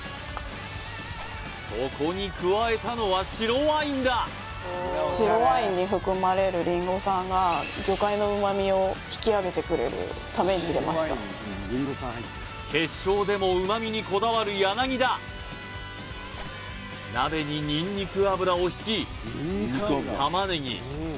そこに加えたのは白ワインだ白ワインに含まれるりんご酸が魚介の旨味を引き上げてくれるために入れました決勝でも旨味にこだわる田鍋ににんにく油をひき玉ねぎ